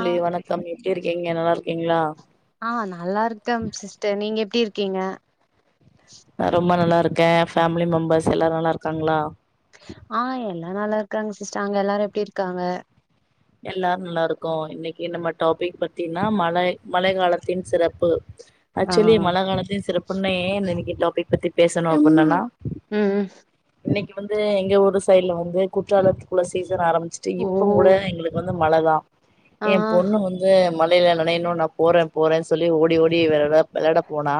ஆ வணக்கம் எப்டி இருக் நீங்க நல்லா இருக்கீங்களா ஆ நல்லா இருக்கேம் சிஸ்டர் நீங்க எப்டி இரு க்கீங்க ரொம்ப நல்லா இருக் ங்க ஃபேமிலி மெம்பர்ஸ் எல்லாரும் நல்லா இருக்காங்களா ஆ எல்லா நல்லா இருக்காங்க சிஸ்டர் அங்க எல்லாரும் எப்டி இருக்காங்க எல்லாரும் நல்லா இருக்கோ இன்னைக்கு நம்ம டாபிக் பத்தீங்கன்னா மழை மழை காலத்தின் சிறப்பு ஆ ஆக்சுவலி மழ காலத்தின் சிறப் பொண்ணே இன்னைக்கு டாபிக் பத்தி பேசணும்முனானா ம் ம் இன்னைக்கு வந்து எங்க ஊர் சைடு்ல வந்து குற்றாலத்துக்குள்ள செ மர் காலம் ஆரம்பிச்சுட்டு ஓ இப்போ கூட எங்களுக் வந்து மழ தான் ஆ என் பொண்ணு வந்து ம மழைல நினைனும் நான் போறே போறே சொல்லி ஓடி ஓடி விலடா வெலடா போனா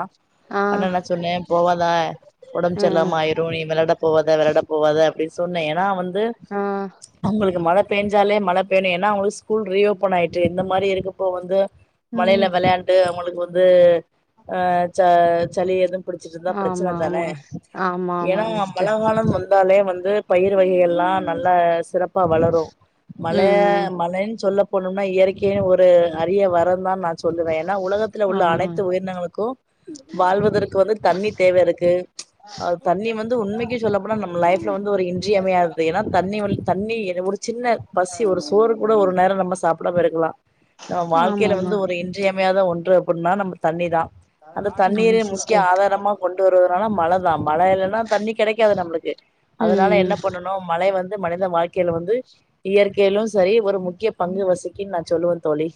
ஆ அண்ணா நா சொன்னேன் போவாதா ம் ஒடம்புச்சரிலமா ஆயிரும் ந வேளாட போவாத விளாட போவாத அப்டி சொன்னே எனா வந் ந்து ஆ உங்களுக்கு மழ பெஞ்சாலே மல வேண ஏன்னா அவங்களுக்கு ஸ்கூல் ரீஓபன் ஆயிட்டு இந்த மாதிரி இருக்கப்போ வந்து மலைல ம் வெளையாண்டு அவுங்களுக்கு ஒது அ ச சலி ஏதும் புடுச்சுட்ருந்தா ப்ரச்சன ஆமா தான ஆமா ஆமா ஆமா ஏன்னா சிஸ்டர் மலகாலன் வந்தாலே வந் து பயிர் வகைகலா எல்லான் நல்ல சிறப் ப்பா வளரு ல ம் மலென் சொல்ல போனும்னா இயற்கியென்னு ஒரு அரிய வரந்தா நா சொல்லுவே ஏன்னா உலகத்து உள்ள ஆமா அனைத்து உயிரினங்களுக்கும் வால்வதற்கு வந்து தண்ணி தேவ இருக்கு ச் தண்ணி வந்து உண்மக்கு சொல்லப்போனா நம்ம லைப் ட் ல வந்து ஒரு இன்றியமையாது ஏன்னா தண்ணி வல் தண்ணி எ ஒரு சின்ன பசி ஒரு சோறு கூட ஒரு நேரொ நம்ப சாப்டாம இருக்கலாம் நம் ஆமா வால்க்கைல ஆமா வந்து ஒரு இன்றியம் ம்யாத ஒன்று அப்புட்னா நம்ப தண்ணி தான் அந்த ஆமா தண்ணீரே முக்ய சிஸ்டர் ஆதாரமா கொண்டு வருவ நாளா மழ தா மழ இல்லன்னா தண்ணி கெடைக்காது நம்ளுக்கு அதனால ம் என்ன பண்ணனு மழை வந் து மனித வாழ்க்கைல வந்து இயற்கைலு சரி ஒரு முக்கிய பங்கு வசிக்கின் நா சொல்லுவ தோழி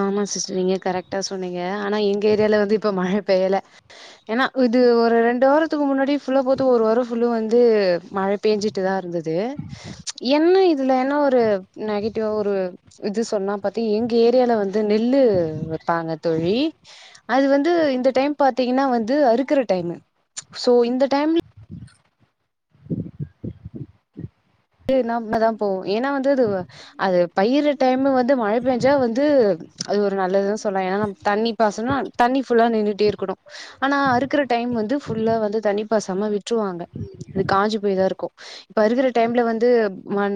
ஆமா சிஸ்டர் நீங்க கரெக்டா சொன்னீங்க ஆனா எங்க ஏரியால வந்து இப்ப மழ பெய்யல ஏனா இது ஒரு ரெண்டு வாரத்துக்கு முன்னாடி ஃபுல்லா போத்து ஒரு வாரொ ஃபுல்லு வந்து மழ பேஞ்சிட்டு தா இருந்துது து என்ன இது துல என்ன ஒரு நெகடிவ் ஒரு இது சொன்னா பத்தி ங்க ஏரியால வந்து நெல்லு வெப்பாங்க தோழி அது வந்து இந்த டைம் பாத்தீங்னா வந்து அறுக்குற டைமு சோ இந்த டைம்ல [unintelligible] ஏனா வந்து அது அது பயிறு டைம் வந்து மழ பேஞ்சா வந்து அது ஒரு நல்லது தா சொல்லா ஏனா நம் தண்ணி பாசனோ தண்ணி ஃபுல்லா நின்னுட்டேருக்குணு ஆனா அறுக்குற டைம் வந்து ஃபுல்லா வந்து தண்ணி பாசாமா விட் ட்ருவாங்க இது காஞ்சி போய் தாருக்கு ப்ப அறுக்குற டைம்ல வந் து மண்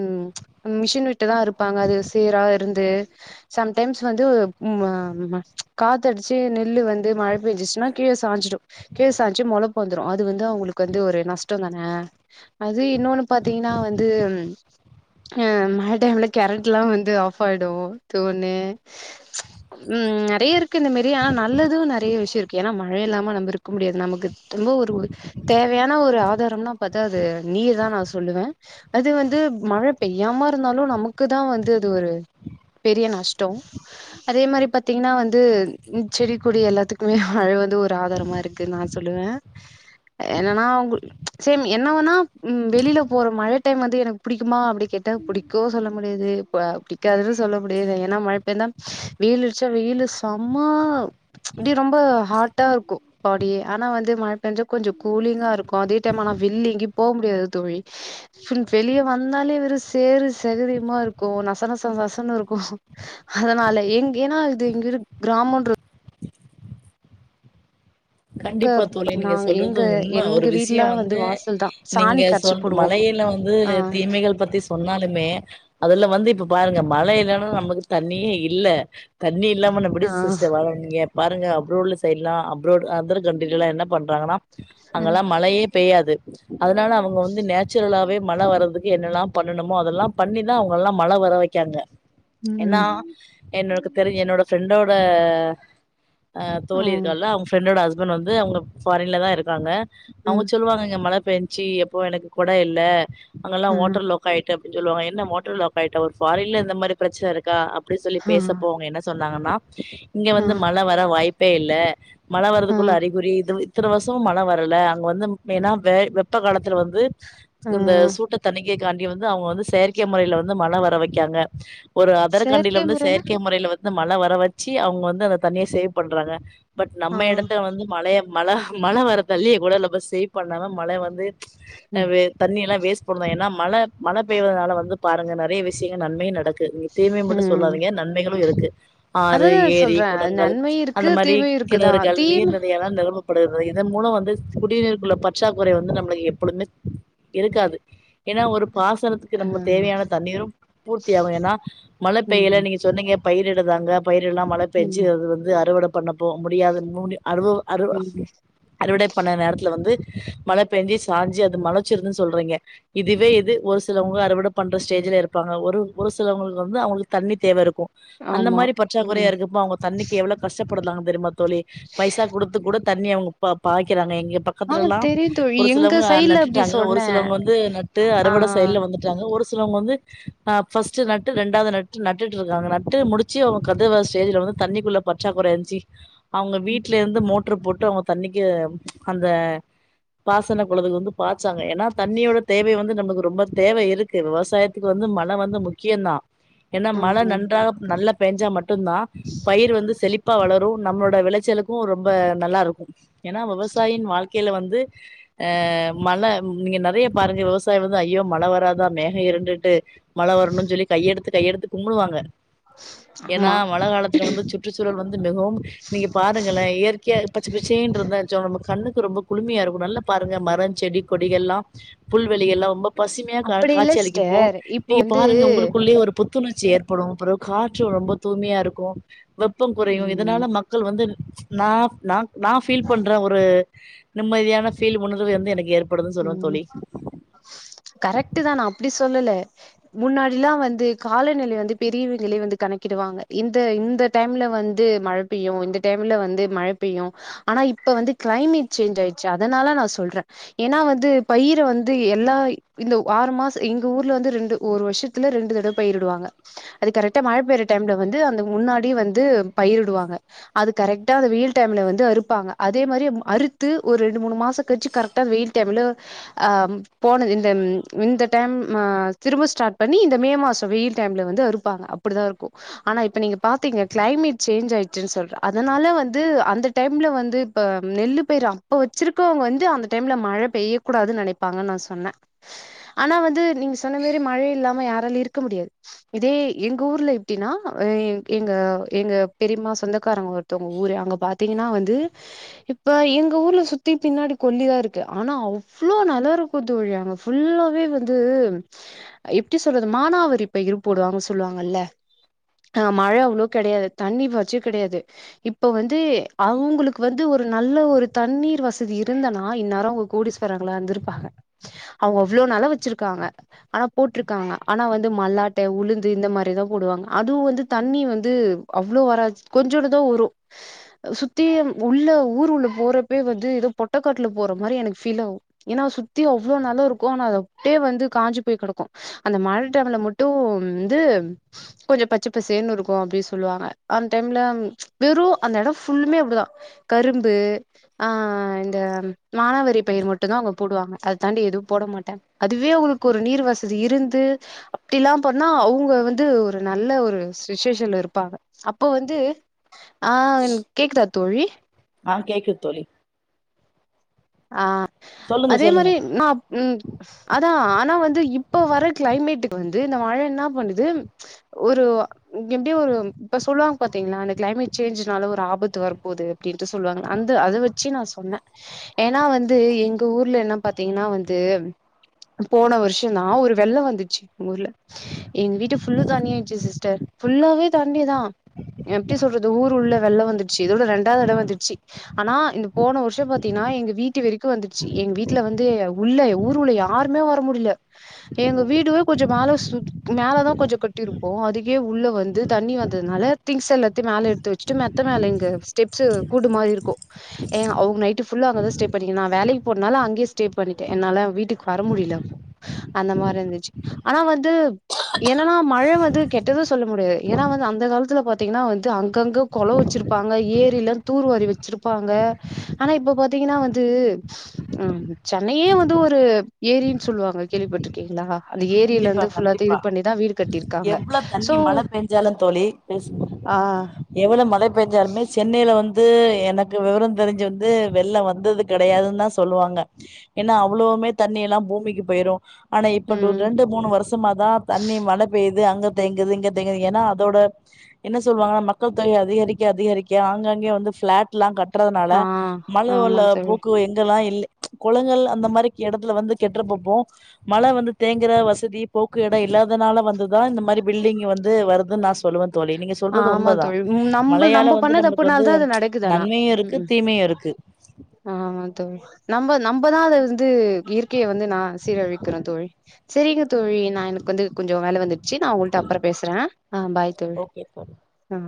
மிஷின் விட் டு தா அறுப்பாங்க அது சேரா இருந் து சம்டைம்ஸ் வந்து ம் ஆ காத்தடிச்சு நெல்லு வந்து மழ பேஞ்சிச்சுன்னா கீழ சாஞ்சிடு கீழ சாஞ்சு மொளப்பு வந்துரு அது வந்து அவுங்களுக்கு வந்து ஒரு நஸ்டொ தான அது இன்னோனு பாத்தீங்னா வந் ஆ மழ டைம்ல கெரண்ட்லா வந்து ஆஃபாயிடு அதோன்னு ம் நறைய இருக்கு இந்த மேரி ஆனா நல்லது நறைய விஷயோ இருக்கு ஏனா மழை இல்லாம நம்ப இருக்க முடியாது நமக்கு ரொம்ப ஒரு தேவையான ஒரு ஆதாரம்னா பாத்தா அது நீர் தா நா சொல்லுவே அது வந்து மழ பெய்யாம இருந்தாலு நமக்கு தா வந்து இது ஒரு பெரிய நஷ்டொ அதே மரி பாத்தீங்னா வந்து செடி கொடி எல்லாத்துக்குமே மழ வந்து ஒரு ஆதாரமா இருக்குன் நா சொல்லுவே என்னனா [unintelligible] சேம் என்ன வேனா வெளில போற மழ டைம் வந்து எனக்கு பிடிக்குமா அப்டி கேட்டா பிடிக்கு சொல்ல முடியாது ப பிடிக்காதுனு சொல்ல முடியாது ஏனா மழ பெயந்தா வெயிலடிச்சா வெயிலு சமா அப்டே ரொம்ப ஹாட்டாருக்கு பாடியே ஆனா வந்து மழ பெஞ்சா கொஞ்சோ கூலிங்காருக்கு அதே டைம் ஆனா வெல்ல எங்கி போ முடியாது தோழி [unintelligible] வெளிய வந்தாலே வெறு சேரு செகதியுமாருக்கு நசநச நசநசன்னு இருக்கு அதனால எங் ஏனா இது எங்க கிராமன்ற கண்டிப்பா தோழி நீங்க நாங்க சொல்றது எங்க உண்ம ஒரு எங்க வீட்ல விஷயோ வந்து வாசல் தா நீங்க சாணி கரச்சு சொல் போடுவோ மழையில வந்து ஆ தீமைகள் பத்தி சொன்னாலுமே அதுல வந்து இப்ப பாருங்க மழ இல்லனா நமக்கு தண்ணியே இல்ல தா தண்ணி இல்லாமல் எப்டி ஆ சிஸ்டர் வாழ முடியு பாருங்க ரோட்ல சைட்லா அப்ரோடு [unintelligible] என்ன பண்றாங்கனா ம் அங்கெல்லா மழையே பெய்யாது [inaudible] அதனால அவங்க வந்து நேச்சுரலாவே மழ வரதுக்கு என்னெல்லா பண்ணணுமோ அதெல்லா பண்ணிதா அவங்கலா மழ வர வைக்காங்க என்னா ம் என்னக்கு தெரி என்னோட ஃப்ரெண்டோட ஆ தோழி ம் இருக்கால அவங்க ஃபிரண்டோட ஹஸ் பண்ட் வந்து அவங்க ஃபாரின்ல தா இருக்காங்க அவங்க ம் சொல்லுவாங்க இங்க மழ பேஞ்சி எப்போ எனக்கு கொட இல்ல அங்கெல்லா ம் ஹோட்டெல்ல கையிட்டு சொல்லுவாங்க என்ன மோட்டர்ல லோக்காய்டோ ஒரு ஃபாரின்லே இந்த மாரி பிரச்சன இருக்கா அப் அப்டி சொல்லி ஆ பேசப்போங்க என்ன சொன் லாங்கண்ணா இங்க ஆ வந்து மழ வர வாய்ப் பே இல்ல மழ ஆ குல அறிகுறி எதுவு இத்தன வருசமு மழ வரல அங்க வந்து மெயினா வெ வெப்ப காலத்துல வந் து ஆ இந்த சூட்ட தணிக் ஏ காந்தி வந்து அவங்க வந்து செயற்கை முறைல வந்து மழ வர வைக்காங்க ஒரு அதர் கண்டில செயற்கை வந்து முறைனா செயற்கை முறையில வந் ந்து மழ வர வச்சி அவுங்க வந்து அந்த தண்ணிய சேவ் பண்றாங்க பட் ஆ நம்ப எடத் வந்து மலய மலா மல வரத்தல்லி கூடல பஸ் ஏரி கொஞ்நேரோ மல வந்து ம் தண்ணி எல்லா வேஸ்ட் பன்றோ ஏனா மழ மழ பெய்றதுனால வந்து பாருங்க நெறைய விஷயங்கள் நன்மையா நடக் நீங்க தீமை மட்டு ம் சொல்லாதீங்க நன்மைகளு இருக்கு ஆறு அததா ஏரி சொல்றே குளங்கள் நன்மையு அந்த இருக்கு மாரி தீமையு இருக்குதா கிணறுகள் தீம நீர் நிலயலா நெரம்பு பிறது இதன் மூலம் வந்து குடி ம் நீருக்குள்ள பற்றாக் குறை வந்து நம்ளுக்கு எப்பொழுமே இருக்காது ஏனா ஒரு பாசனத்துக்கு ஆ நமக்கு தேவையான தண்ணீரும் பூர்த்திய ஆவலனா மழ பெய்யல ம் நீங்க சொன்னீங்க பயிரிடுறாங்க பயிர் எல்லா மழ பேஞ்சு ம் அது வந்து அறுவட பண்ண போக முடியாதுனோனே அது அறுவ் ம் அறுவடை பண்ண நேரத்துல வந்து மழ பேஞ்சி சாஞ்சி அது மழச்சிருக்குன்னு சொல்றீங்க இதுவே இது ஒரு சிலவங்க அறுவட பண்ற ஸ்டேஜ்ல இருப்பாங்க ஒரு சிலவங்களுக்கு வந்து அவுங்குளுக்கு தண்ணி தேவ இருக்கு அந்த ஆமா மாரி பற்றாக்குறயா ம் இருக்கப்போ அவுங்க தண்ணிக்கு எவ்ளோ கஷ்டப் எப்ட்ருந்தாங்க தெரிமா தோழி பைசா கொடுத்து கூட தண்ணி அவுங்க பாய்க்கிறாங்க எங்க ஆ பக்கத்துலலாம் தெரியு தோழி ஒரு எங்க சிலவங்க சைட்ல அப்டி நட்டுட்டாங்க ஒரு சொன்னே சிலவங்க வந்து நட்டு ஆ அறுவட சைட்ல வந்துட்டாங்க ஒருல சிலவங்க வந்து ஃபர்ஸ்ட் நட்டு ரெண்டாவது நட்டு நட்டுட்டு இருக்காங்க நட்டு முடிச்சு அவுங்க கத ஸ்டேஜல வந்து தண்ணிக்குள்ள பற்றாகுறை் அவங்க ம் வீட்டு வீட்ல இருந்து மோட்ரு போட்டு அவுங்க தண்ணிக்கு அந்த பாசன குளத்துக்கு வந்து பாய்சாங்க ஏனா தண்ணியோட தேவை வந்து நமக்கு ரொம்ப தேவை இருக்கு விவசாயத்துக்கு வந்து மழ வந்து முக்கியம் தான் என்ன மழ ஆமா நன்றாக நல்ல பைஞ்சா மட் தான் பயிர் வந்து செழிப் வளரு நம்மளோட விளைச்சலுக் க்கும் ரொம்ப நல்லா இருக்கூ ஏனா விவசாயின் வாழ்க்கையில வந்து அ மழை நீங்க நறைய பாருங்க விவசாயம் வந்து ஐயோ மழ வராதா மேகம் இண்டுட்டு மழ வரணு சொல்லி கையெடுத்து கையெடுத்து கும்புடுவாங்க ஏனா ஆமா மழ காலத்துல வந்து சுற்றுச்சூழல் வந்து மிகவும் நீங்க பார்த்த இயற்கையா பச்ச பச்சேனு இருந்தா ஜா கண்ணுக்கு ரொம்போ குளுமையா இருக்கும் நல்லா பாருங்க மரம் செடி கொடிகள் எல்லாம் புல்வெளிகள் எல்லாம் ரொம்ப பசுமையா அப்படி இல்ல காட்சி அளிக்கப்போ சிஸ்டர் இப்போ நீங்க வந்து பாருங்க உங்குளுக்குள்ளயே ஒரு புத்துணர்ச்சி ஏற்படும் அப்புறோ காற்று ரொம்ப தூய்மையா இருக்கும் வெப்பம் குறையு ம் இதனால மக்கள் வந்து நான் நான் நான் ஃபீல் பண்றே ஒரு நிம்மதியான ஃபீல் உனார்வு வந்து எனக்கு ஏற் உம் கரெக்ட் தன் நா அப்டி சொ சொல்லலா முன்னாடிலாம் வந்து காலநிலை வந்து பிரிவுனிலை வந்து கணக்கிடுவாங்க. இந்த இந்த டைம்ல வந்து மழை பெய்யும், இந்த டைம்ல வந்து மழ பெய்யும். ஆனா இப்ப வந்து கிளைமேட் சேஞ்ச் ஆயிடுச்சு. அதனால நான் சோல்ரே ஏனா வந்து பயிரு வந்து எல்லா இந்த ஆறு மாசம் எங்க ஊர்ல வந்து ரெண்டு ஒரு வருஷத்துல ரெண்டு தடவை பயிரிடுவாங்க அது கரெக்டா மழை பெயற டைம்ல வந்து அந்த முன்னாடி வந்து பயிரிடுவாங்க அது கரெக்டா அந்த வெயில் டைம்ல வந்து அறுப்பாங்க அதே மாரி அறுத்து ஒரு ரெண்டு மூணு மாசோ கலிச் கரேட்டா வெயில் டைம்ல அ போனது இந்த இந்த டைம் திரும்ப ஸ்டாட் பண்ணி இந்த மே மாச வெயில் டைம்ல வந்து அறுப்பாங்க அப்பிடிதா இருக்கு ஆனா இப்ப நீங்க பாத்திங்க க்ளைமெட் சேன்ஞ் ஆயிடுச்சுன் சொல்ற அதனாலா வந்து அந்த டைம்ல வந்து இப்ப நெல்லு பயிறு அப்ப வச்சிருக்கவுங்க வந்து அந்த டைம்லா மழ பெய்யக்கூடாதுனு நெனைப்பாங்கன் நா சொன்ன ஆனா வந்து நீங்க சொன்ன மாரி மழை இல்லாம யாராலியு இருக்க முடியாது இதே எங்க ஊர்ல எப்டின்னா எ எங்க எங்க பெரிமா சொந்தக்காரங்க ஒருத்தவுங்க ஊரு அங்க பாத்திங்கனா வந்து இப்ப எங்க ஊர்ல சுத்தி பின்னாடி கொல்லிதா இருக் ஆனா அவ்ளோ நல்லாருக்கு தோழி அங்க ஃபுல்லாவே வந்து எப்டி சொல்றது மானாவரி பயிறு போடுவாங்க சொல்லுவாங்கல்ல ஆ மழ அவ்ளோ கெடையாது தண்ணி வச்சு கெடையாது இப்ப வந்து அவங்குளுக்கு வந்து ஒரு நல்ல ஒரு தண்ணீர் வசதி இருந்தனா அ இந்நேரோ அவுங்க கோடிஸ்வரங்களா இந்திர்ப்பாங்க அவுங்க அவ்ளோ நெலோ வச்சிர்க்காங்க ஆனா போட்ருக்காங்க ஆனா வந்து மல்லாட்டே உளுந்து இந்த மாரிதா போடுவாங் அதுவூ வந்து தண்ணீ வந்து அவ்ளோ வராத் கொஞ்சோண்டு தா வரு சுத்தி உள்ள ஊருவுள்ள போறப்பே வந்து எதோ பொட்டக் காட்ல போற மாரி எனக்கு ஃபீலாவூ ஏனா சுத்தி அவ்ளோ நெலோ இர்க்கோ ஆனா அது அப்டே வந்து காஞ்சு போய் கெடக்கூ அந்த மழ் டைம்ல மட்டு வந்து கொஞ்ச பச்சப் பசேன்னுர்க்கூ அப்டி சொல்வாங்க அந் டைம்ல வெறு அந்த எட ஃபுல்மே இப்டிதா கரும்பு ஆ இந்த ம் மானாவரி பயிர் மட்டுதா அவுங்க போடுவாங்க அது தாண்டி எதுவு போட மாட்டாங் அதுவே அவுங்குளுக்கு ஒரு நீர் வசதி இருந்து அப்டி லா பண்ணா அவுங்க வந்து ஒரு நல்ல ஒரு சிச்சேஷன்ல இருப்பாங்க அப்போ வந்து ஆ கேக்குதா தோழி ஆ கேக்குத் தோழி ஆ சொல்லுங்க அதே சொல்லுங்க மாரி நாப் ம் தா ஆனா வந்து இப்ப வர க்ளைமேட்டுக்கு வந்து இந்த மழ என்னா பண்ணுது ஒரு எப்டி ஒரு இப்ப சொல்லுவாங் பாத்தீங்ளா அந்த க்ளைமேட் சேஞ்ச்னால ஒரு ஆபத்து வரப்போது அப்டின்ட்டு சொல்வாங்க அந்த அத வெச்சு நா சொன்ன ஏனா வந்து எங்க ஊர்லல்லா பாத்தீங்னா வந்து போன வர்ஷோனா ஒரு வெள்ளோ வந்துச்சி ஊர்ல எங்க வீட்டு ஃபுல்லா தண்ணி ஆய்ச்சு சிஸ்டர் ஃபுல்லாவே தண்ணிதா எப்டி சொல்றது ஊரு உள்ள வெள்ளோ வந்துச்சி இதோட ரெண்டாவ் தடவ் வந்துச்சி ஆனா இந்த போன வர்ஷோ பாத்தீனா எங்க வீட்டு வெரீக்கூ வந்துச்சி எங்க வீட்ல வந்து உள்ள ஊரு உள்ள யாருமே வர முடில எங்க வீடுவே கொஞ்ச மேல சுத் மேலதா கொஞ்ச கட்டிருப்போ அதுக்கே உள்ள வந்து தண்ணி வந்ததுனால திங்ஸ் எல்லாத்த மேல எட்த்து வெச்சுட்டு மெத்த மேல எங்க ஸ்டெப்ஸு கூடு மாரியிர்க்கூ எ அவ் நைட்டு ஃபுல்லா அங்கதா ஸ்டே அப்டி நா வேலைக் போனனால அங்கேயே ஸ்ட பண்ணிட்டே என்னால வீட்டுக்கு வர முடிலப்போ அந்த மாரி இந்துச்சு ஆனா வந்து என்னா மழ வந்து கெட்டது சொல்ல முடியாது ஏனா வந் அந்த காலத்துல பாத்தீங்ன்னா வந்து அங்கங்க கொளோ வெச்சிர்ப்பாங்க ஏரில தூர்வாரி வெச்சிருப்பாங்க ஆனா இப்ப பாத்தீங்ன்னா வந் டு ம் சென்னையே வந்து ஒரு ஏரின் சொல்லுவாங்க கேள்விப்பட்ருக்கீங்ளா கண்டிப்பா கண்டிப்பா கட்டியிருக்காங்க. எவ்ளோ தண்ணி சோ மழ பெஞ்சாலு தோழி ஆ எவ்ளோ மழ பேஞ்சாலுமே சென்னைல வந் து எனக்கு வெவரோ தெரிஞ்சுந்து வெள்ளோ வந்தது கெடையாதுன் தா சொல்லுவாங்க ஏனா அவ்ளவ்மே தண்ணி எல்லா பூமிக்கு போய்ரு ஆனா இப்ப டோர் ம் ரெண்டு மூணு வர்ஷமா தா தண்ணி மழ பெய்து அங்க தேங்குது இங்க தேங்குது ஏனா அதோட என்ன சொல்வாங்க மக்கள் தொக அதிகரிக்க அதிகரிக்க ஆங்காங்கே வந்து ஃப்ளாட்லா கட் ட்றதுனால ஆ மண் ஆமா உள்ள தோழி. போக்கு எங்கல்லா இல் கொளங்கள் அந்த மாரிக் எடத்துல வந்து கெட்றபப்போ மழ வந்து தேங்குற வசதி போக்கு எடோ இல்லாதனால வந்துதா இந்த மாரி பில்டிங் வந்து வருதுன் நா சொல்லுவன் ஆமா தோழி ம் நம்பல் நம்ப வந்து பண்ண நம்மளுக்கு வந்து தப்புனால தா அது நடக்குது ஆனா நன்மையு இருக்கு ம் தீமையு இருக்கு ஆமா தோழி நம்ப அது நம்பதா அதுலர்ந்து இயற்கிய வந்து நா சீரழிக்கிறோ தோழி செரிங்க தோழி நா எனக் வந்து கொஞ்சோ வேல வந்துச்சி நா உங்கள்ட்ட அப்றோ பேசுறே ஆ பாய் தோழ் ஓகே தோழி ஆ